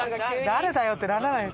誰だよ！ってならない？